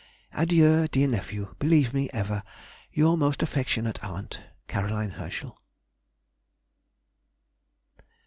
Adieu, dear Nephew, believe me ever, Your most affectionate Aunt, CAR. HERSCHEL.